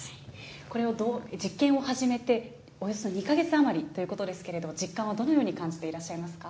これを、実験を始めておよそ２か月余りということですけれど、実感はどのように感じていらっしゃいますか。